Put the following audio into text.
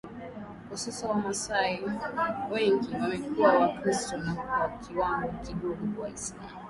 Kwa sasa Wamasai wengi wamekuwa Wakristo na kwa kiwango kidogo Waislamu